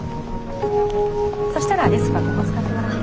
そしたらデスクはここ使ってもらって。